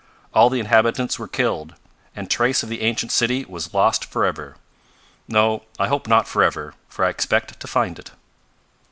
All the inhabitants were killed, and trace of the ancient city was lost forever. No, I hope not forever, for I expect to find it."